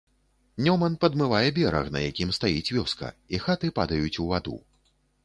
Нёман падмывае бераг, на якім стаіць вёска, і хаты падаюць у ваду.